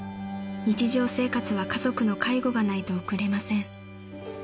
日常生活は家族の介護がないと送れません］